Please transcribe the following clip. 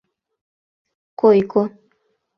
Койко...